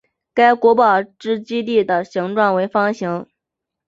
该古堡之基地形状为方形。